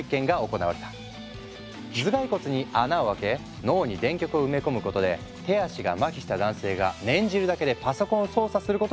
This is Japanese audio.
頭蓋骨に穴を開け脳に電極を埋め込むことで手足がまひした男性が念じるだけでパソコンを操作することに成功。